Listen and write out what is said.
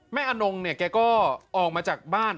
อนงเนี่ยแกก็ออกมาจากบ้าน